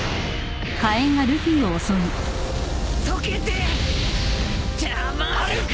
溶けてたまるか！